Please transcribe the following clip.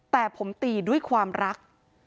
แต่ผมตีด้วยความรัก